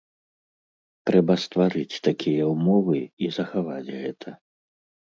Трэба стварыць такія ўмовы і захаваць гэта.